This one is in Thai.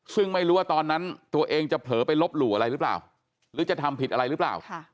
ซึ่งไม่รู้ว่าตอนนั้นตัวเองจะเผลอไปลบหลู่อะไรหรือเปล่าหรือจะทำผิดอะไรหรือเปล่า